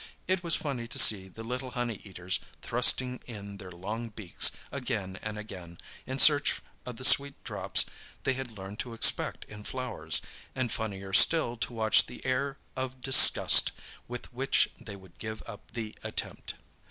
It was funny to see the little honey eaters thrusting in their long beaks again and again in search of the sweet drops they had learned to expect in flowers, and funnier still to watch the air of disgust with which they would give up the attempt.